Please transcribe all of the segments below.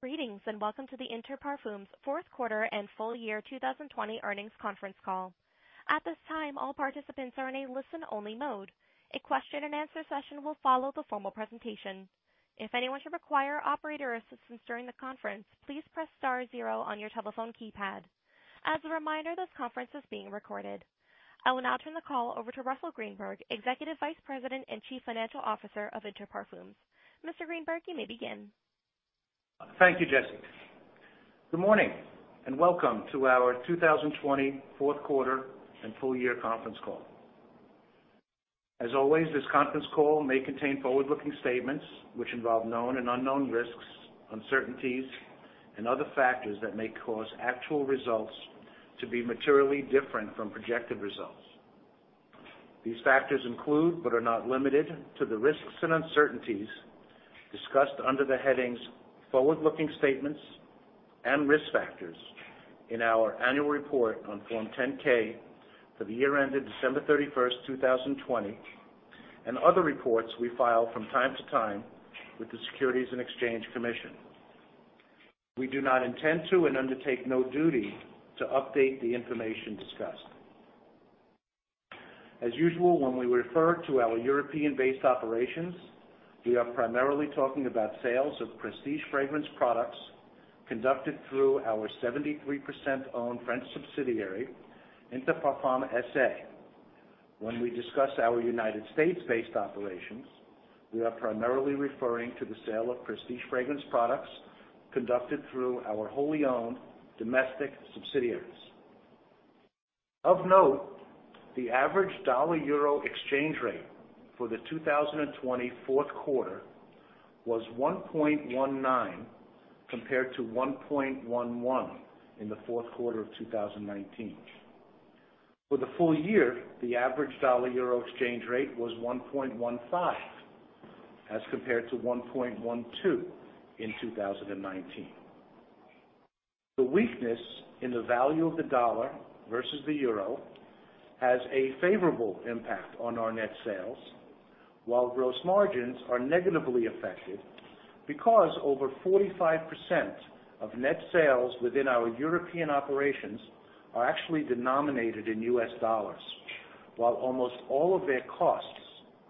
Greetings, welcome to the Inter Parfums fourth quarter and full year 2020 earnings conference call. At this time, all participants are in a listen-only mode. A question and answer session will follow the formal presentation. If anyone should require operator assistance during the conference, please press star zero on your telephone keypad. As a reminder, this conference is being recorded. I will now turn the call over to Russell Greenberg, Executive Vice President and Chief Financial Officer of Inter Parfums. Mr. Greenberg, you may begin. Thank you, Jesse. Good morning, welcome to our 2020 fourth quarter and full year conference call. As always, this conference call may contain forward-looking statements which involve known and unknown risks, uncertainties, and other factors that may cause actual results to be materially different from projected results. These factors include, but are not limited to, the risks and uncertainties discussed under the headings Forward-Looking Statements and Risk Factors in our annual report on Form 10-K for the year ended December 31st, 2020, and other reports we file from time to time with the Securities and Exchange Commission. We do not intend to and undertake no duty to update the information discussed. As usual, when we refer to our European-based operations, we are primarily talking about sales of prestige fragrance products conducted through our 73%-owned French subsidiary, Inter Parfums SA. When we discuss our U.S.-based operations, we are primarily referring to the sale of prestige fragrance products conducted through our wholly-owned domestic subsidiaries. Of note, the average dollar-euro exchange rate for the 2020 fourth quarter was 1.19, compared to 1.11 in the fourth quarter of 2019. For the full year, the average dollar-euro exchange rate was 1.15 as compared to 1.12 in 2019. The weakness in the value of the dollar versus the euro has a favorable impact on our net sales, while gross margins are negatively affected because over 45% of net sales within our European operations are actually denominated in US dollars, while almost all of their costs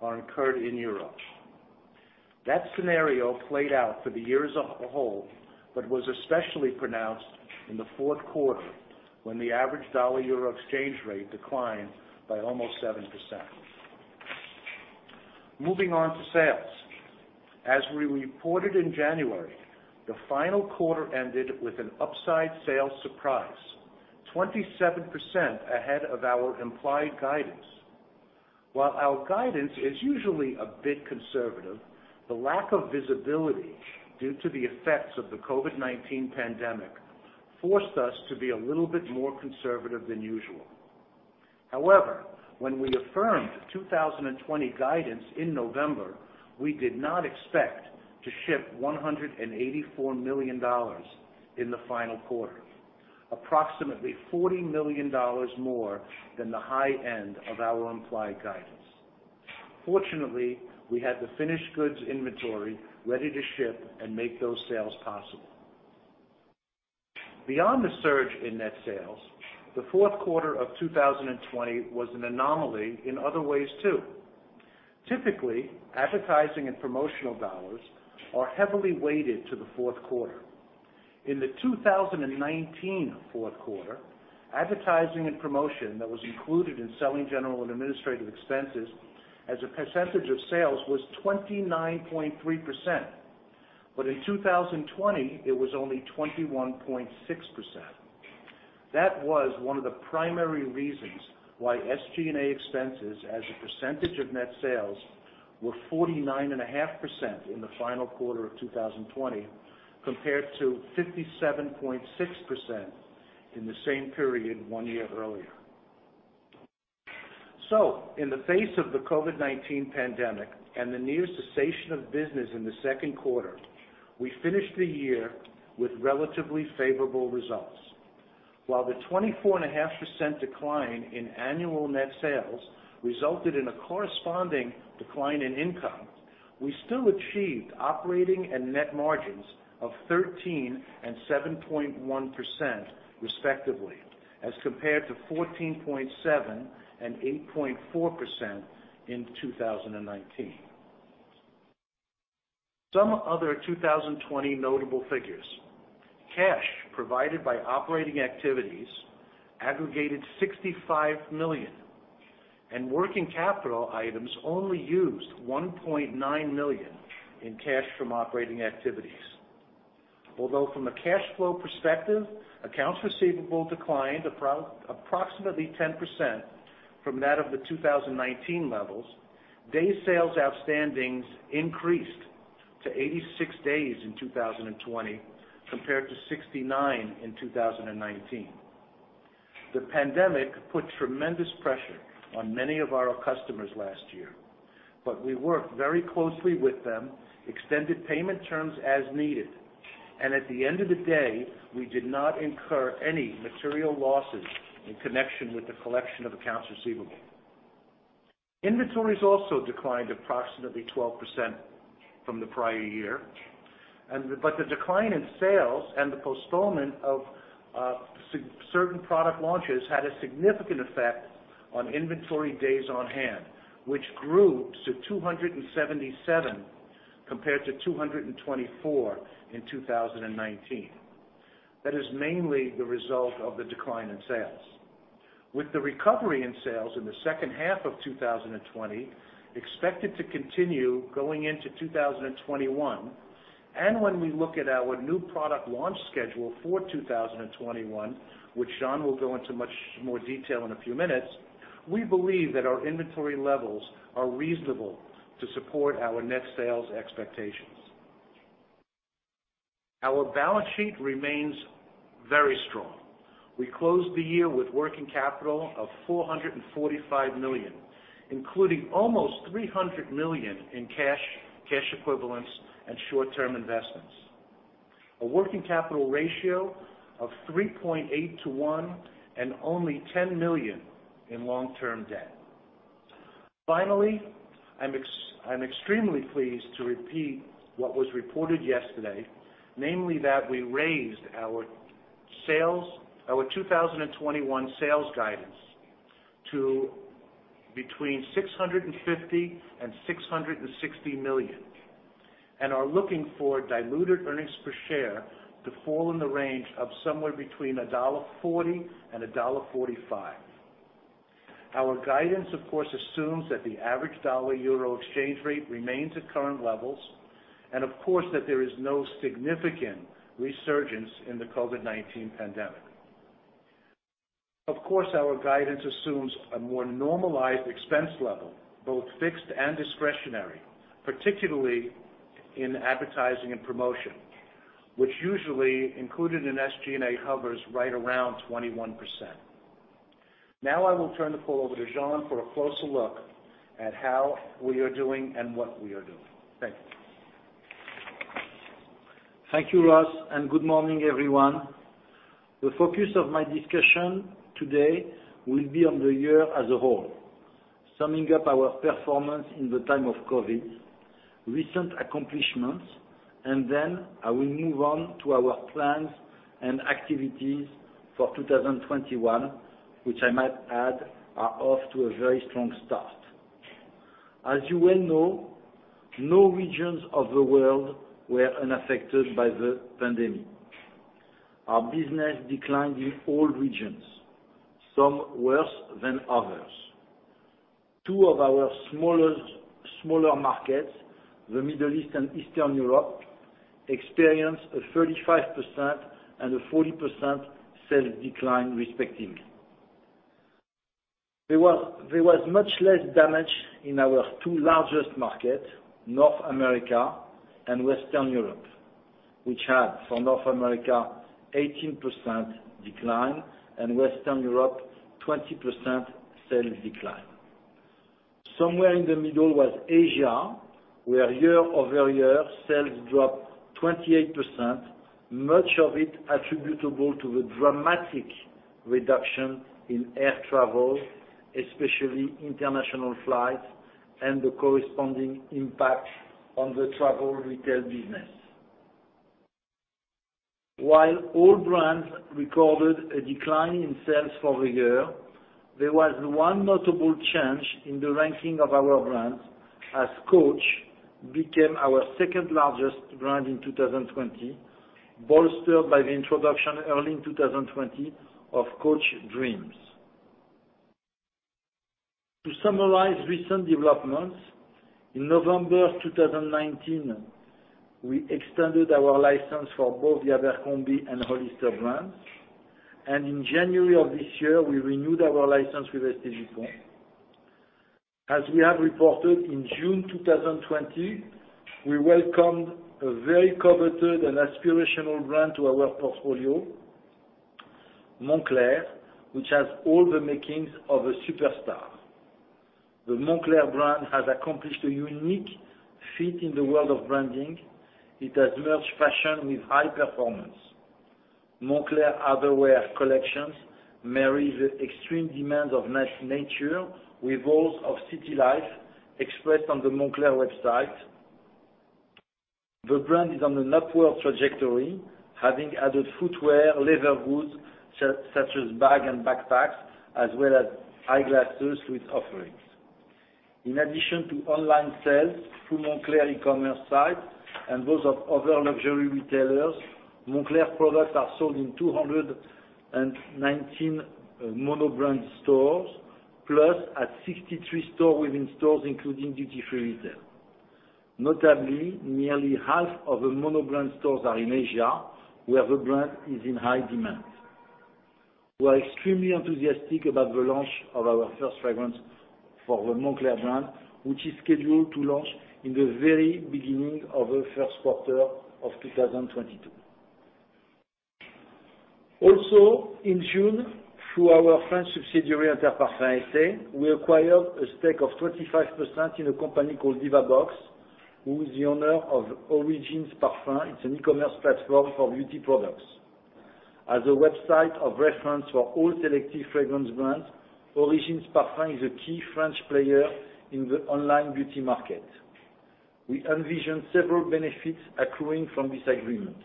are incurred in Europe. That scenario played out for the year as a whole, was especially pronounced in the fourth quarter when the average dollar-euro exchange rate declined by almost 7%. Moving on to sales. As we reported in January, the final quarter ended with an upside sales surprise, 27% ahead of our implied guidance. While our guidance is usually a bit conservative, the lack of visibility due to the effects of the COVID-19 pandemic forced us to be a little bit more conservative than usual. However, when we affirmed 2020 guidance in November, we did not expect to ship $184 million in the final quarter, approximately $40 million more than the high end of our implied guidance. Fortunately, we had the finished goods inventory ready to ship and make those sales possible. Beyond the surge in net sales, the fourth quarter of 2020 was an anomaly in other ways too. Typically, advertising and promotional dollars are heavily weighted to the fourth quarter. In the 2019 fourth quarter, advertising and promotion that was included in selling general and administrative expenses as a percentage of sales was 29.3%. In 2020, it was only 21.6%. That was one of the primary reasons why SG&A expenses as a percentage of net sales were 49.5% in the final quarter of 2020, compared to 57.6% in the same period one year earlier. In the face of the COVID-19 pandemic and the near cessation of business in the second quarter, we finished the year with relatively favorable results. While the 24.5% decline in annual net sales resulted in a corresponding decline in income, we still achieved operating and net margins of 13% and 7.1%, respectively, as compared to 14.7% and 8.4% in 2019. Some other 2020 notable figures. Cash provided by operating activities aggregated $65 million, and working capital items only used $1.9 million in cash from operating activities. Although from a cash flow perspective, accounts receivable declined approximately 10% from that of the 2019 levels, days sales outstanding increased to 86 days in 2020 compared to 69 in 2019. The pandemic put tremendous pressure on many of our customers last year. We worked very closely with them, extended payment terms as needed, and at the end of the day, we did not incur any material losses in connection with the collection of accounts receivable. Inventories also declined approximately 12% from the prior year. The decline in sales and the postponement of certain product launches had a significant effect on inventory days on hand, which grew to 277 compared to 224 in 2019. That is mainly the result of the decline in sales. With the recovery in sales in the second half of 2020 expected to continue going into 2021, and when we look at our new product launch schedule for 2021, which Jean will go into much more detail in a few minutes, we believe that our inventory levels are reasonable to support our net sales expectations. Our balance sheet remains very strong. We closed the year with working capital of $445 million, including almost $300 million in cash equivalents, and short-term investments. A working capital ratio of 3.8 to one, and only $10 million in long-term debt. Finally, I'm extremely pleased to repeat what was reported yesterday, namely that we raised our 2021 sales guidance to between $650 million and $660 million, and are looking for diluted earnings per share to fall in the range of somewhere between $1.40 and $1.45. Our guidance, of course, assumes that the average dollar-euro exchange rate remains at current levels, and of course, that there is no significant resurgence in the COVID-19 pandemic. Of course, our guidance assumes a more normalized expense level, both fixed and discretionary, particularly in advertising and promotion, which usually, included in SG&A, hovers right around 21%. I will turn the call over to Jean for a closer look at how we are doing and what we are doing. Thank you. Thank you, Russ, and good morning, everyone. The focus of my discussion today will be on the year as a whole, summing up our performance in the time of COVID, recent accomplishments, and then I will move on to our plans and activities for 2021, which I might add are off to a very strong start. As you well know, no regions of the world were unaffected by the pandemic. Our business declined in all regions, some worse than others. Two of our smaller markets, the Middle East and Eastern Europe, experienced a 35% and a 40% sales decline respectively. There was much less damage in our two largest markets, North America and Western Europe, which had, for North America, 18% decline and Western Europe 20% sales decline. Somewhere in the middle was Asia, where year-over-year sales dropped 28%, much of it attributable to the dramatic reduction in air travel, especially international flights, and the corresponding impact on the travel retail business. While all brands recorded a decline in sales for the year, there was one notable change in the ranking of our brands as Coach became our second-largest brand in 2020, bolstered by the introduction early in 2020 of Coach Dreams. To summarize recent developments, in November of 2019, we extended our license for both the Abercrombie and Hollister brands, and in January of this year, we renewed our license with S.T. Dupont. As we have reported, in June 2020, we welcomed a very coveted and aspirational brand to our portfolio, Moncler, which has all the makings of a superstar. The Moncler brand has accomplished a unique feat in the world of branding. It has merged fashion with high performance. Moncler outerwear collections marry the extreme demands of nature with those of city life, expressed on the Moncler website. The brand is on an upward trajectory, having added footwear, leather goods such as bags and backpacks, as well as eyeglasses to its offerings. In addition to online sales through Moncler e-commerce site and those of other luxury retailers, Moncler products are sold in 219 mono-brand stores, plus at 63 stores within stores, including duty-free retail. Notably, nearly half of the mono-brand stores are in Asia, where the brand is in high demand. We are extremely enthusiastic about the launch of our first fragrance for the Moncler brand, which is scheduled to launch in the very beginning of the first quarter of 2022. Also, in June, through our French subsidiary, Inter Parfums SA, we acquired a stake of 25% in a company called Divabox, who is the owner of Origines-parfums. It's an e-commerce platform for beauty products. As a website of reference for all selective fragrance brands, Origines-parfums is a key French player in the online beauty market. We envision several benefits accruing from this agreement.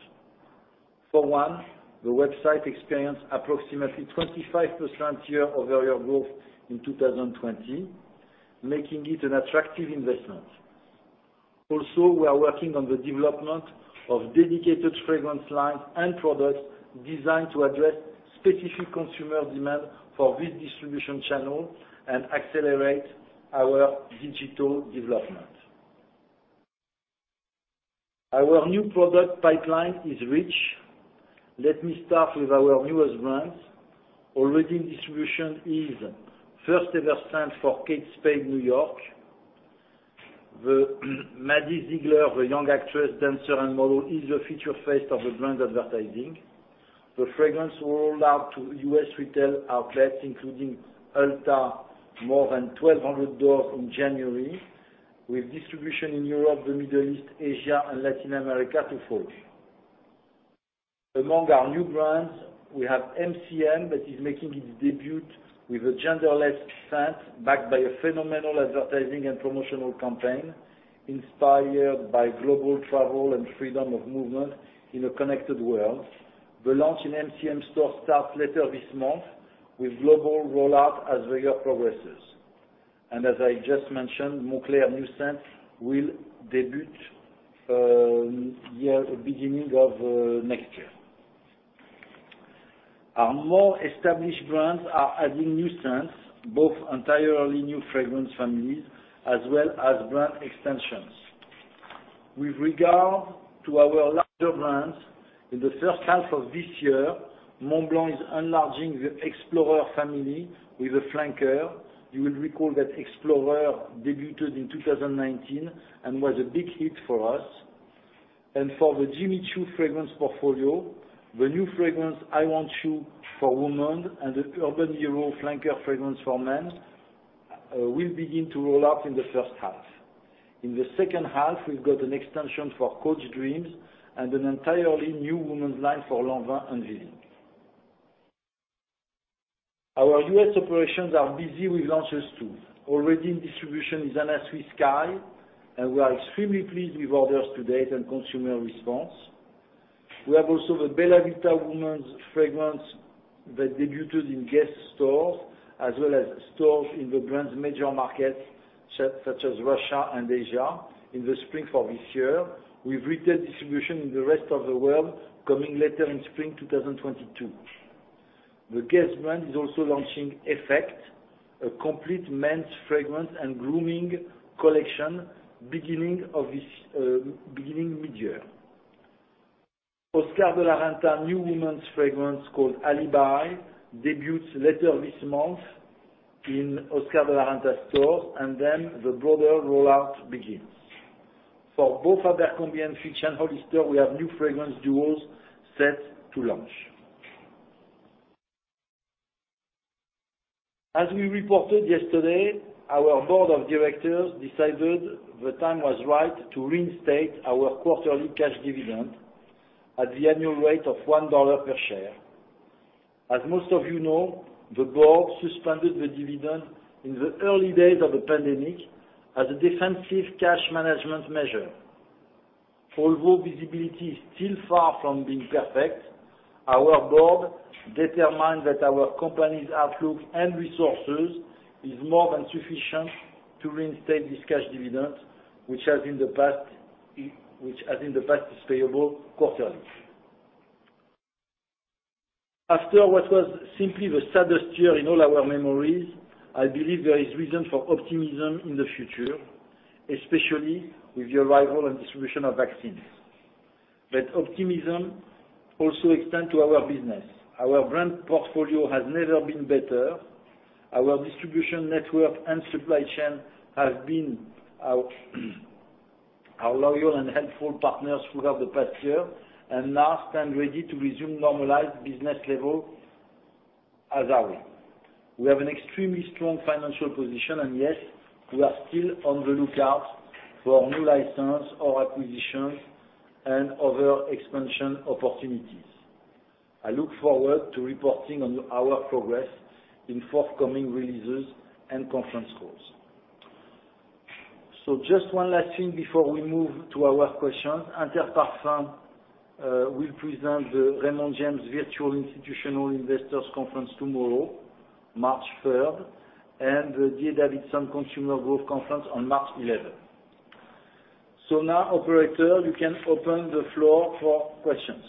For one, the website experienced approximately 25% year-over-year growth in 2020, making it an attractive investment. Also, we are working on the development of dedicated fragrance lines and products designed to address specific consumer demand for this distribution channel and accelerate our digital development. Our new product pipeline is rich. Let me start with our newest brands. Already in distribution is first-ever scent for Kate Spade New York. Maddie Ziegler, the young actress, dancer, and model, is the future face of the brand advertising. The fragrance rolled out to U.S. retail outlets, including Ulta, more than 1,200 doors in January, with distribution in Europe, the Middle East, Asia, and Latin America to follow. Among our new brands, we have MCM that is making its debut with a genderless scent backed by a phenomenal advertising and promotional campaign inspired by global travel and freedom of movement in a connected world. The launch in MCM stores starts later this month, with global rollout as the year progresses. As I just mentioned, Moncler new scent will debut beginning of next year. Our more established brands are adding new scents, both entirely new fragrance families, as well as brand extensions. With regard to our larger brands, in the first half of this year, Montblanc is enlarging the Explorer family with a flanker. You will recall that Explorer debuted in 2019 and was a big hit for us. For the Jimmy Choo fragrance portfolio, the new fragrance, I Want Choo for woman, and the Urban Hero flanker fragrance for men, will begin to roll out in the first half. In the second half, we've got an extension for Coach Dreams and an entirely new women's line for Lanvin unveiling. Our U.S. operations are busy with launches, too. Already in distribution is Anna Sui Sky, and we are extremely pleased with orders to date and consumer response. We have also the Bella Vita women's fragrance that debuted in Guess stores, as well as stores in the brand's major markets, such as Russia and Asia, in the spring for this year, with retail distribution in the rest of the world coming later in spring 2022. The Guess brand is also launching Guess Effect, a complete men's fragrance and grooming collection beginning mid-year. Oscar de la Renta new women's fragrance called Alibi debuts later this month in Oscar de la Renta stores, and then the broader rollout begins. For both Abercrombie & Fitch and Hollister, we have new fragrance duos set to launch. As we reported yesterday, our board of directors decided the time was right to reinstate our quarterly cash dividend at the annual rate of $1 per share. As most of you know, the board suspended the dividend in the early days of the pandemic as a defensive cash management measure. Although visibility is still far from being perfect, our board determined that our company's outlook and resources is more than sufficient to reinstate this cash dividend, which has in the past, is payable quarterly. After what was simply the saddest year in all our memories, I believe there is reason for optimism in the future, especially with the arrival and distribution of vaccines. That optimism also extend to our business. Our brand portfolio has never been better. Our distribution network and supply chain have been our loyal and helpful partners throughout the past year, and now stand ready to resume normalized business level as are we. We have an extremely strong financial position, and yes, we are still on the lookout for new license or acquisitions and other expansion opportunities. I look forward to reporting on our progress in forthcoming releases and conference calls. Just one last thing before we move to our questions. Inter Parfums will present the Raymond James Institutional Investors Conference tomorrow, March 3rd, and the D.A. Davidson Consumer Growth Conference on March 11th. Now, operator, you can open the floor for questions.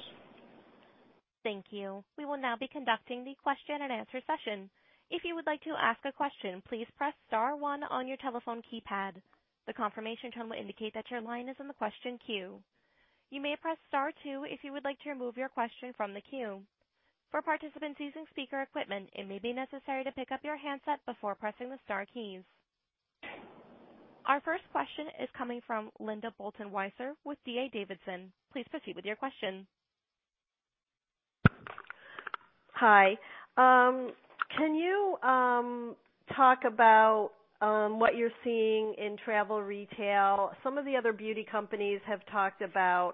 Thank you. We will now be conducting the question and answer session. If you would like to ask a question, please press star one on your telephone keypad. The confirmation tone will indicate that your line is in the question queue. You may press star two if you would like to remove your question from the queue. For participants using speaker equipment, it may be necessary to pick up your handset before pressing the star keys. Our first question is coming from Linda Bolton Weiser with D.A. Davidson. Please proceed with your question. Hi. Can you talk about what you're seeing in travel retail? Some of the other beauty companies have talked about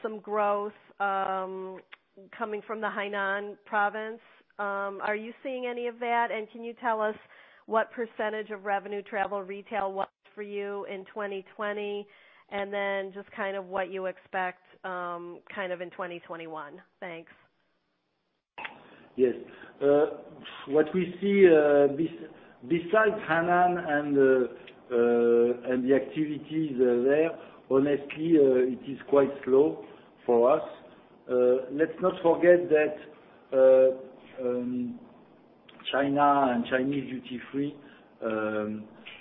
some growth coming from the Hainan Province. Are you seeing any of that? Can you tell us what % of revenue travel retail was for you in 2020, and then just what you expect in 2021? Thanks. Yes. What we see, besides Hainan and the activities there, honestly, it is quite slow for us. Let's not forget that China and Chinese duty-free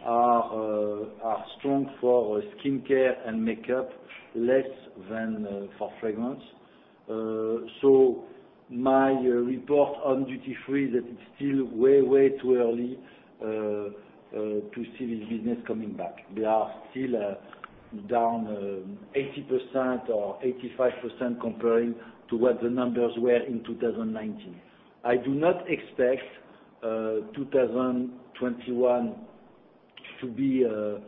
are strong for skincare and makeup, less than for fragrance. My report on duty-free is that it's still way too early to see this business coming back. We are still down 80% or 85% comparing to what the numbers were in 2019. I do not expect 2021 to be a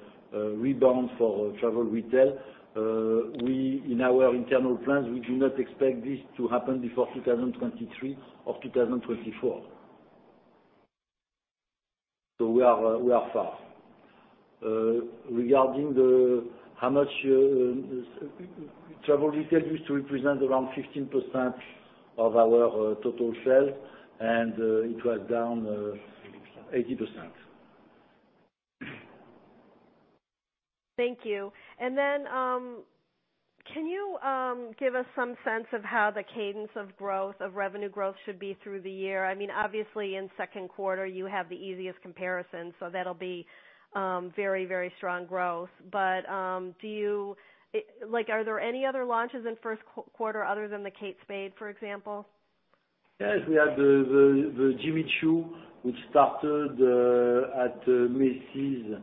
rebound for travel retail. In our internal plans, we do not expect this to happen before 2023 or 2024. We are far. Regarding how much travel retail used to represent, around 15% of our total sales, and it was down 80%. Thank you. Then, can you give us some sense of how the cadence of revenue growth should be through the year? Obviously, in the second quarter, you have the easiest comparison, so that'll be very strong growth. But are there any other launches in the first quarter other than the Kate Spade, for example? Yes, we have the Jimmy Choo, which started at Macy's.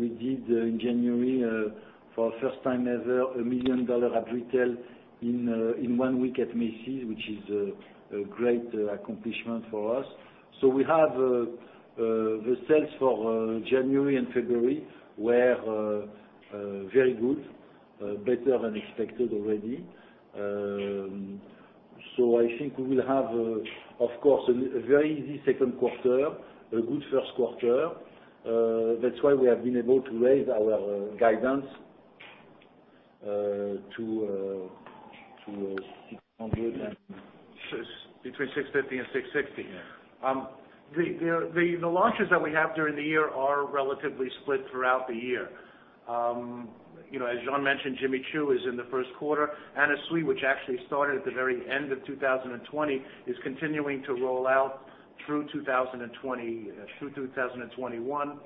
We did in January, for the first time ever, a $1 million at retail in one week at Macy's, which is a great accomplishment for us. We have the sales for January and February, were very good, better than expected already. I think we will have, of course, a very easy second quarter, a good first quarter. That's why we have been able to raise our guidance to $600 million and- Between $650 million and $660 million. Yeah. The launches that we have during the year are relatively split throughout the year. As Jean mentioned, Jimmy Choo is in the first quarter. Anna Sui, which actually started at the very end of 2020, is continuing to roll out through 2021.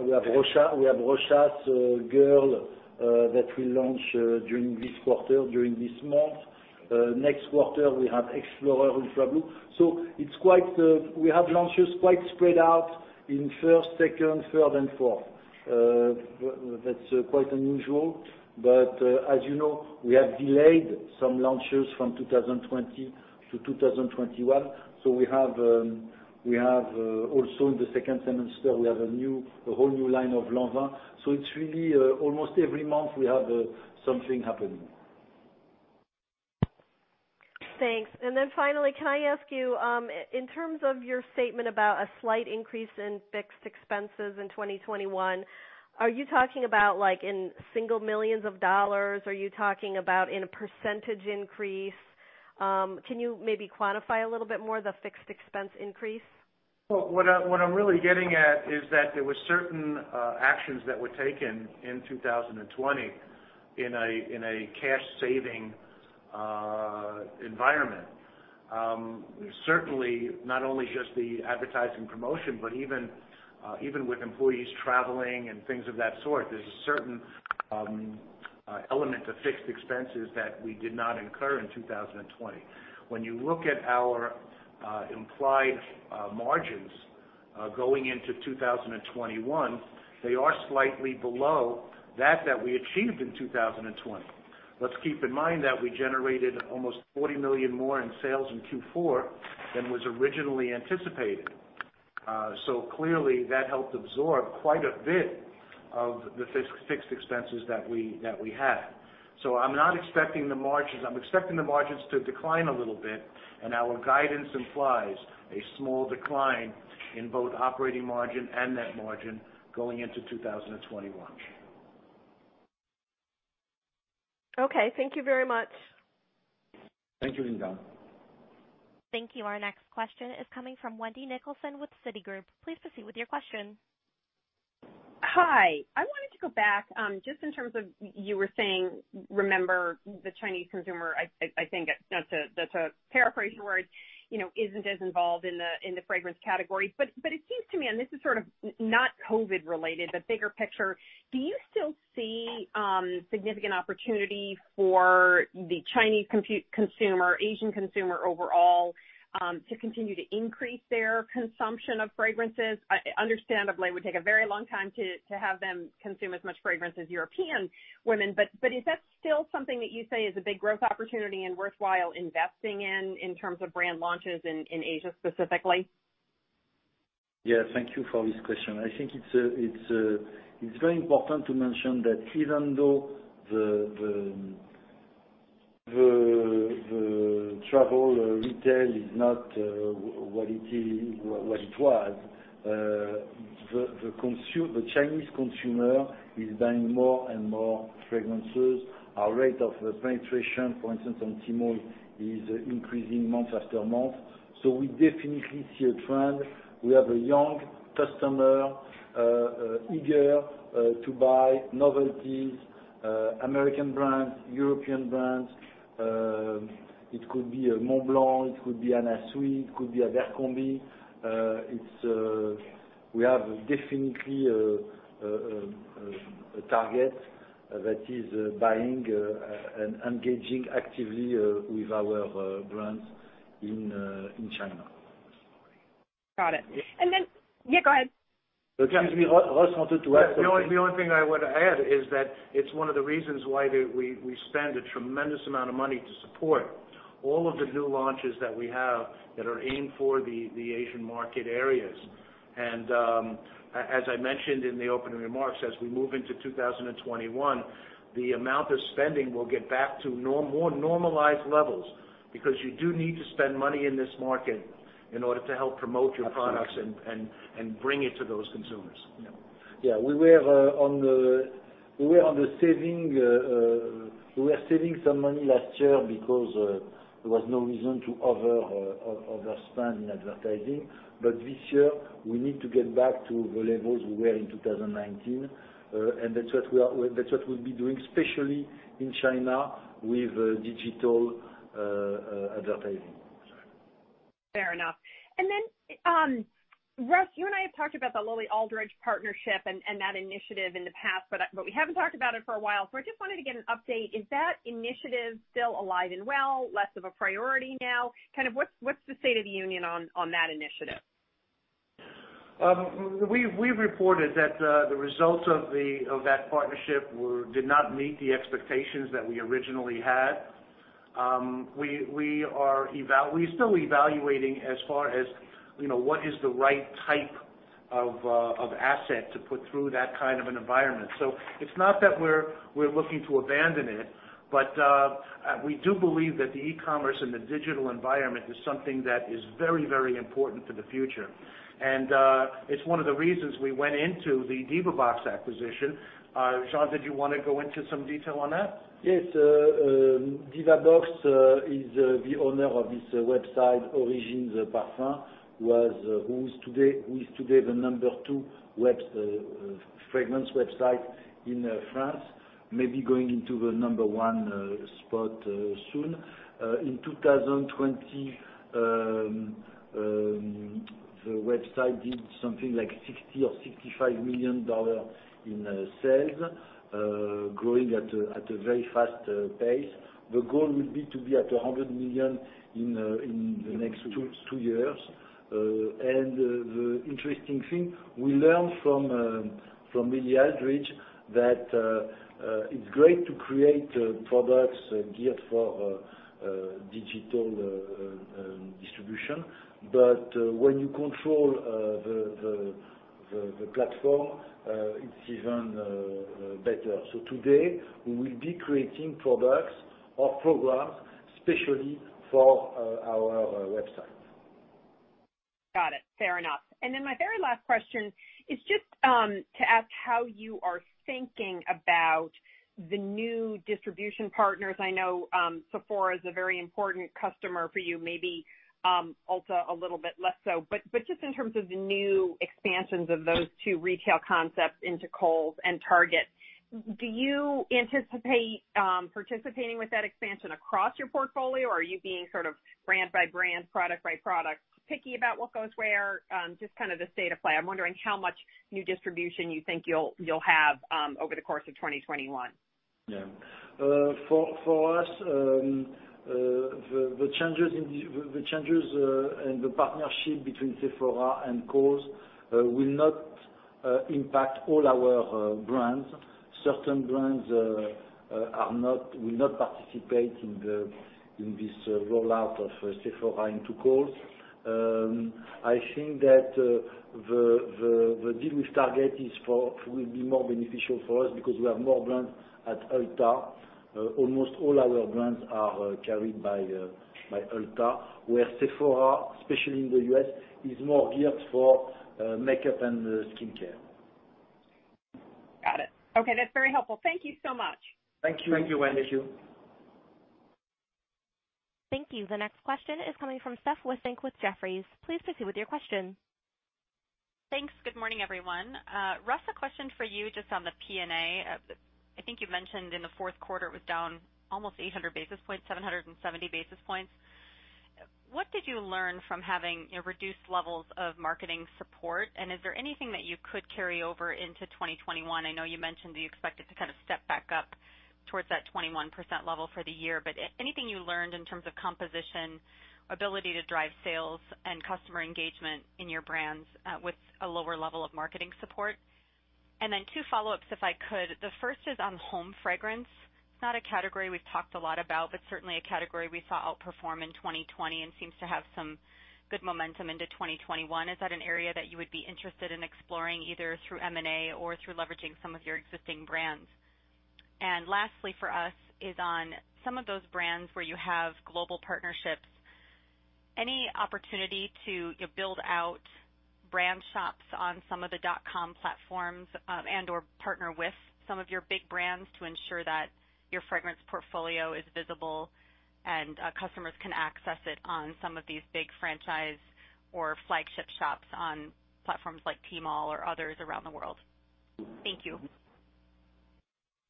We have Rochas Girl that we launch during this quarter, during this month. Next quarter, we have Explorer in travel. We have launches quite spread out in first, second, third, and fourth. That's quite unusual. As you know, we have delayed some launches from 2020 to 2021. We have also in the second semester, we have a whole new line of Lanvin. It's really almost every month we have something happening. Thanks. Finally, can I ask you, in terms of your statement about a slight increase in fixed expenses in 2021, are you talking about in single millions of dollars? Are you talking about in a % increase? Can you maybe quantify a little bit more the fixed expense increase? What I'm really getting at is that there were certain actions that were taken in 2020 in a cash-saving environment. Certainly, not only just the advertising promotion, but even with employees traveling and things of that sort, there's a certain element of fixed expenses that we did not incur in 2020. When you look at our implied margins going into 2021, they are slightly below that we achieved in 2020. Let's keep in mind that we generated almost $40 million more in sales in Q4 than was originally anticipated. Clearly, that helped absorb quite a bit of the fixed expenses that we had. I'm not expecting the margins. I'm expecting the margins to decline a little bit, and our guidance implies a small decline in both operating margin and net margin going into 2021. Okay. Thank you very much. Thank you. Thank you. Our next question is coming from Wendy Nicholson with Citigroup. Please proceed with your question. Hi. I wanted to go back, just in terms of you were saying, remember, the Chinese consumer, I think that's a paraphrase your words, isn't as involved in the fragrance categories. It seems to me, and this is sort of not COVID related, but bigger picture, do you still see significant opportunity for the Chinese consumer, Asian consumer overall, to continue to increase their consumption of fragrances? Understandably, it would take a very long time to have them consume as much fragrance as European women. Is that still something that you say is a big growth opportunity and worthwhile investing in terms of brand launches in Asia specifically? Yeah, thank you for this question. I think it's very important to mention that even though the travel retail is not what it was, the Chinese consumer is buying more and more fragrances. Our rate of penetration, for instance, on Tmall, is increasing month after month. We definitely see a trend. We have a young customer eager to buy novelties, American brands, European brands. It could be a Montblanc, it could be an Anna Sui, it could be an Abercrombie. We have definitely a target that is buying and engaging actively with our brands in China. Got it. Yeah, go ahead. Excuse me, Russ wanted to add something. The only thing I would add is that it's one of the reasons why we spend a tremendous amount of money to support all of the new launches that we have that are aimed for the Asian market areas. As I mentioned in the opening remarks, as we move into 2021, the amount of spending will get back to more normalized levels because you do need to spend money in this market in order to help promote your products. Absolutely Bring it to those consumers. Yeah. We were saving some money last year because there was no reason to overspend in advertising. This year, we need to get back to the levels we were in 2019. That's what we'll be doing, especially in China, with digital advertising. Fair enough. Russ, you and I have talked about the Lily Aldridge partnership and that initiative in the past, but we haven't talked about it for a while, so I just wanted to get an update. Is that initiative still alive and well, less of a priority now? Kind of what's the state of the union on that initiative? We've reported that the results of that partnership did not meet the expectations that we originally had. We're still evaluating as far as what is the right type of asset to put through that kind of an environment. It's not that we're looking to abandon it, but we do believe that the e-commerce and the digital environment is something that is very important for the future. It's one of the reasons we went into the Divabox acquisition. Jean, did you want to go into some detail on that? Yes. Divabox is the owner of this website, Origines-parfums, who is today the number 2 fragrance website in France, maybe going into the number 1 spot soon. In 2020, the website did something like $60 million or $65 million in sales, growing at a very fast pace. The goal will be to be at $100 million in the next two years. The interesting thing, we learned from Lily Aldridge that it's great to create products geared for digital distribution, but when you control the platform, it's even better. Today, we will be creating products or programs especially for our website. Got it. Fair enough. My very last question is just to ask how you are thinking about the new distribution partners. I know Sephora is a very important customer for you, maybe Ulta a little bit less so. Just in terms of the new expansions of those two retail concepts into Kohl's and Target, do you anticipate participating with that expansion across your portfolio, or are you being sort of brand by brand, product by product picky about what goes where? Just kind of the state of play. I'm wondering how much new distribution you think you'll have over the course of 2021. Yeah. For us, the changes in the partnership between Sephora and Kohl's will not impact all our brands. Certain brands will not participate in this rollout of Sephora into Kohl's. I think that the deal with Target will be more beneficial for us because we have more brands at Ulta. Almost all our brands are carried by Ulta. Where Sephora, especially in the U.S., is more geared for makeup and skincare. Got it. Okay, that's very helpful. Thank you so much. Thank you. Thank you, Wendy. Thank you. The next question is coming from Steph Wissink with Jefferies. Please proceed with your question. Thanks. Good morning, everyone. Russ, a question for you just on the P&A. I think you mentioned in the fourth quarter it was down almost 800 basis points, 770 basis points. What did you learn from having reduced levels of marketing support? Is there anything that you could carry over into 2021? I know you mentioned that you expect it to kind of step back up towards that 21% level for the year, but anything you learned in terms of composition, ability to drive sales, and customer engagement in your brands, with a lower level of marketing support? Then two follow-ups, if I could. The first is on home fragrance. It's not a category we've talked a lot about, but certainly a category we saw outperform in 2020 and seems to have some good momentum into 2021. Is that an area that you would be interested in exploring, either through M&A or through leveraging some of your existing brands? Lastly for us is on some of those brands where you have global partnerships, any opportunity to build out brand shops on some of the .com platforms, and/or partner with some of your big brands to ensure that your fragrance portfolio is visible and customers can access it on some of these big franchise or flagship shops on platforms like Tmall or others around the world? Thank you.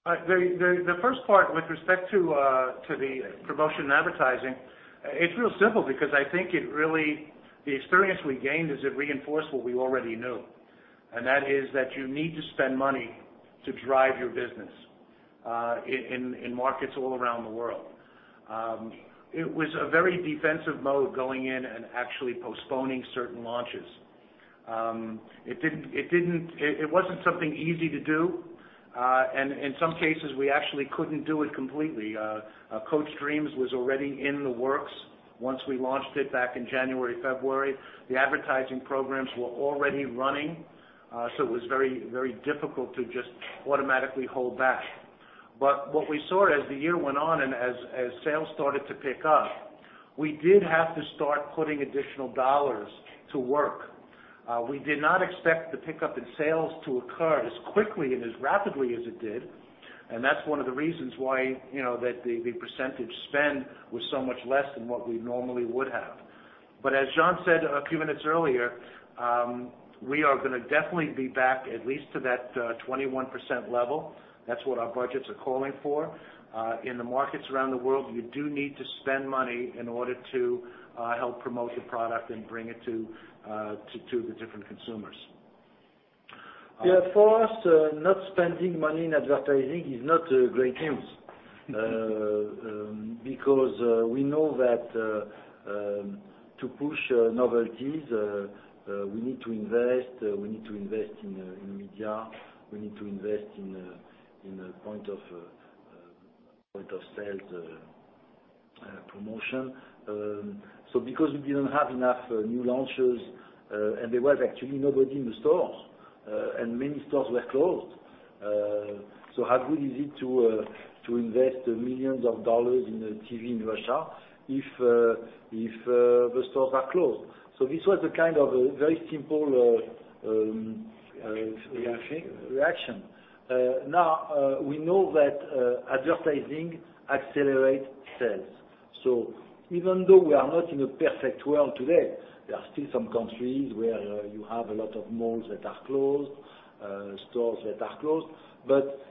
The first part, with respect to the promotion and advertising, it's real simple because I think the experience we gained is it reinforced what we already knew, and that is that you need to spend money to drive your business, in markets all around the world. It was a very defensive mode going in and actually postponing certain launches. It wasn't something easy to do. In some cases, we actually couldn't do it completely. Coach Dreams was already in the works. Once we launched it back in January, February, the advertising programs were already running. It was very difficult to just automatically hold back. What we saw as the year went on and as sales started to pick up, we did have to start putting additional EUR to work. We did not expect the pickup in sales to occur as quickly and as rapidly as it did, That's one of the reasons why the percentage spend was so much less than what we normally would have. As Jean said a few minutes earlier, we are going to definitely be back at least to that 21% level. That's what our budgets are calling for. In the markets around the world, you do need to spend money in order to help promote the product and bring it to the different consumers. For us, not spending money in advertising is not great news. We know that to push novelties, we need to invest. We need to invest in media. We need to invest in point-of-sale promotion. Because we didn't have enough new launches, and there was actually nobody in the stores, and many stores were closed. How good is it to invest millions of EUR in TV in Russia if the stores are closed? This was a kind of very simple. Reaction Reaction. We know that advertising accelerates sales. Even though we are not in a perfect world today, there are still some countries where you have a lot of malls that are closed, stores that are closed.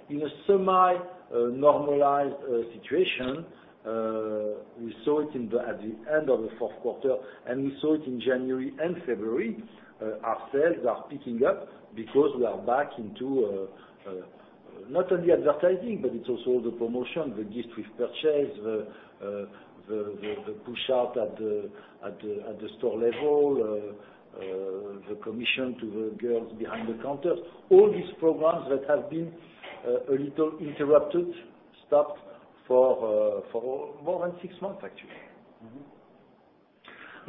In a semi-normalized situation, we saw it at the end of the fourth quarter, and we saw it in January and February. Our sales are picking up because we are back into not only advertising, but it's also the promotion, the gift with purchase, the push out at the store level, the commission to the girls behind the counters. All these programs that have been a little interrupted, stopped for more than six months, actually.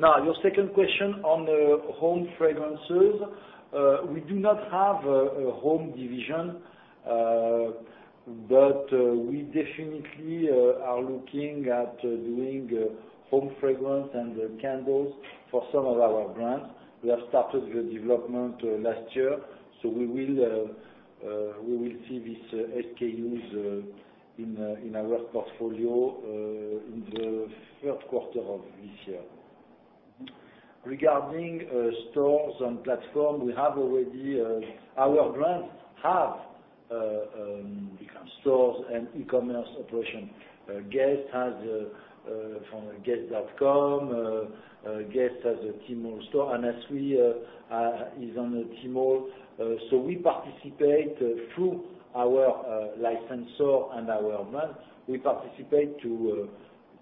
Your second question on the home fragrances. We do not have a home division. We definitely are looking at doing home fragrance and candles for some of our brands. We have started the development last year. We will see these SKUs in our portfolio in the third quarter of this year. Regarding stores and platform, our brands have stores and e-commerce operation. Guess has guess.com. Guess has a Tmall store. Anna Sui is on Tmall. We participate through our licensor and our brands. We participate to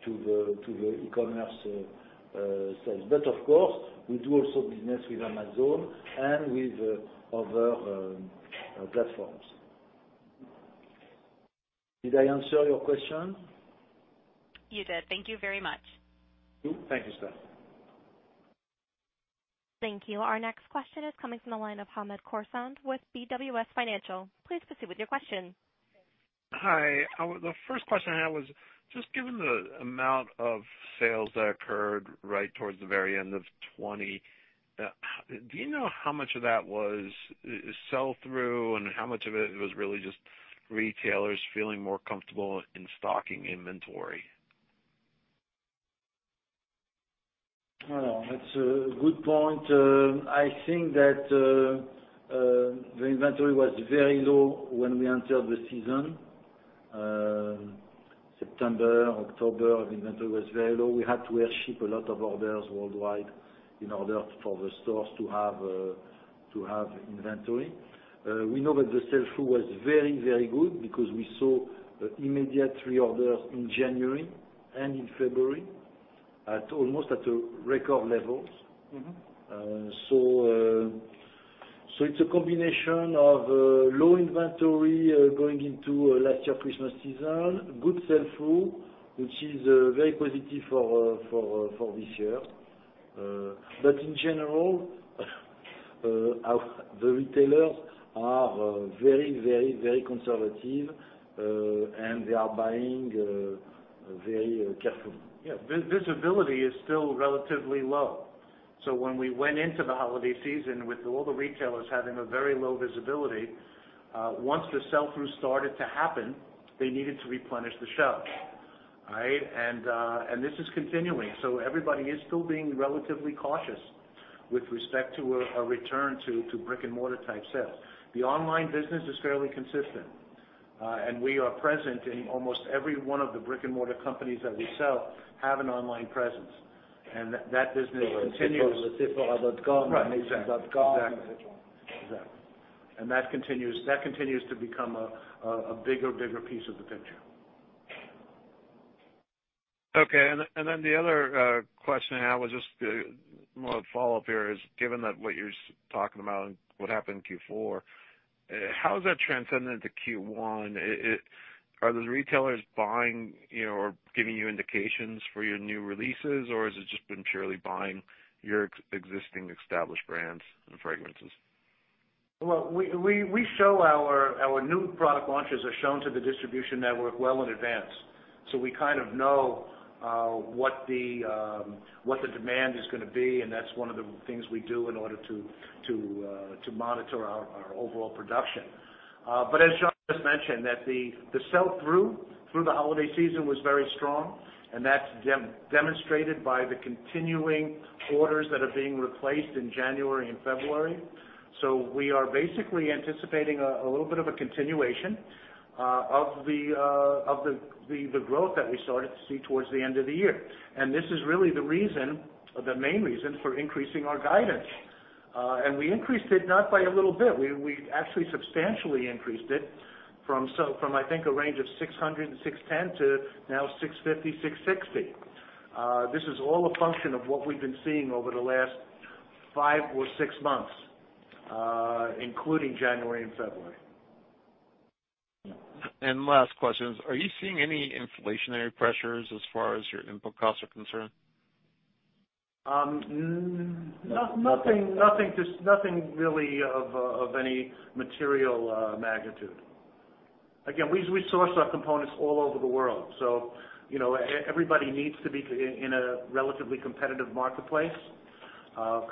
the e-commerce sales. Of course, we do also business with Amazon and with other platforms. Did I answer your question? You did. Thank you very much. Thank you, Steph. Thank you. Our next question is coming from the line of Hamed Khorsand with BWS Financial. Please proceed with your question. Hi. The first question I had was just given the amount of sales that occurred right towards the very end of 2020, do you know how much of that was sell-through, and how much of it was really just retailers feeling more comfortable in stocking inventory? That's a good point. I think that the inventory was very low when we entered the season. September, October, the inventory was very low. We had to airship a lot of orders worldwide in order for the stores to have inventory. We know that the sell-through was very good because we saw immediate reorders in January and in February. Almost at the record levels. It's a combination of low inventory going into last year Christmas season, good sell-through, which is very positive for this year. In general, the retailers are very conservative, and they are buying very carefully. Yeah. Visibility is still relatively low. When we went into the holiday season with all the retailers having a very low visibility, once the sell-through started to happen, they needed to replenish the shelves. Right? This is continuing. Everybody is still being relatively cautious with respect to a return to brick-and-mortar type sales. The online business is fairly consistent. We are present in almost every one of the brick-and-mortar companies that we sell have an online presence, and that business continues. .com. Right. Exactly. That continues to become a bigger piece of the picture. The other question I have was just more of a follow-up here is, given that what you're talking about and what happened in Q4, how has that transcended into Q1? Are those retailers buying or giving you indications for your new releases, or has it just been purely buying your existing established brands and fragrances? Our new product launches are shown to the distribution network well in advance. We kind of know what the demand is going to be, and that's one of the things we do in order to monitor our overall production. As Jean just mentioned, the sell-through through the holiday season was very strong, and that's demonstrated by the continuing orders that are being replaced in January and February. We are basically anticipating a little bit of a continuation of the growth that we started to see towards the end of the year. This is really the main reason for increasing our guidance. We increased it not by a little bit. We actually substantially increased it from, I think, a range of 600 and 610 to now 650, 660. This is all a function of what we've been seeing over the last five or six months, including January and February. Last questions. Are you seeing any inflationary pressures as far as your input costs are concerned? Nothing really of any material magnitude. Again, we source our components all over the world, everybody needs to be in a relatively competitive marketplace.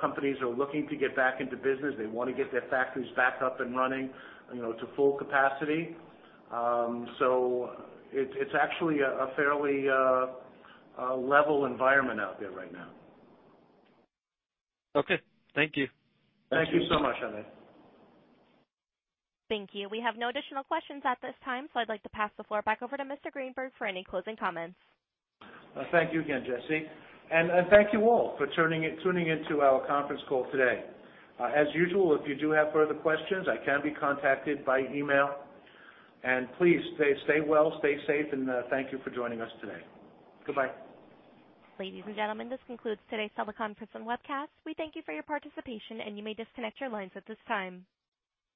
Companies are looking to get back into business. They want to get their factories back up and running to full capacity. It's actually a fairly level environment out there right now. Okay. Thank you. Thank you so much, Andre. Thank you. We have no additional questions at this time. I'd like to pass the floor back over to Mr. Greenberg for any closing comments. Thank you again, Jesse. Thank you all for tuning into our conference call today. As usual, if you do have further questions, I can be contacted by email. Please, stay well, stay safe, and thank you for joining us today. Goodbye. Ladies and gentlemen, this concludes today's teleconference and webcast. We thank you for your participation, and you may disconnect your lines at this time.